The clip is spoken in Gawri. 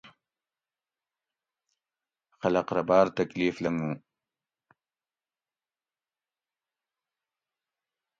خلق رہ باۤر تکلیف لنگو